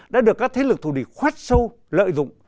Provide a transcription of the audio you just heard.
đã được các thế lực thù địch khoét sâu lợi dụng